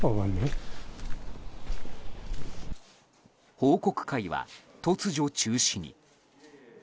報告会は突如、中止に。